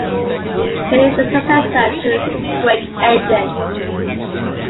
It is the successor to the "Quake" engine.